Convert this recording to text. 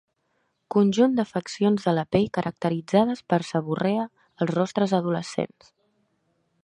Conjunt d'afeccions de la pell caracteritzades per seborrea als rostres adolescents.